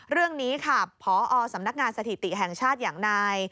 เรื่องนี้ค่ะพอสำนักงานสถิติแห่งชาติอย่างนาย